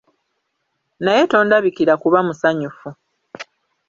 Naye tondabikira kuba musanyufu.